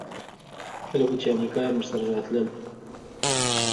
کله به چې امريکايان ورسره راتلل.